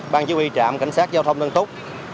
ban chứa huy trạm cảnh sát giao thông tân túc